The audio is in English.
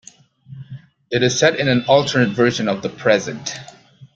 It is set in an alternate version of the present.